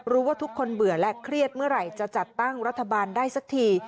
รู้ว่าทุกคนเบื่อและเครียดเมื่อไหร่จะจัดตั้งรัฐบาลได้สักที